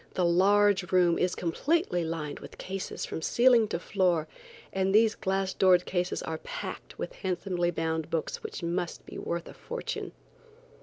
The large room is completely lined with cases from ceiling to floor, and these glass doored cases are packed with handsomely bound books which must be worth a fortune.